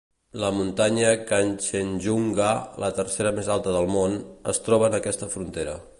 La muntanya Kanchenjunga, la tercera més alta del món, es troba en aquesta frontera.